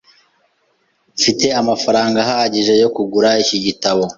Mfite amafaranga ahagije yo kugura iki gitabo.